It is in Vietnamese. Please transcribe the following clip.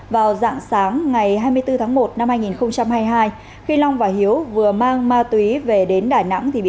vào dạng sáng ngày hai mươi bốn tháng một năm hai nghìn hai mươi hai khi long và hiếu vừa mang ma túy về đến đà nẵng thì bị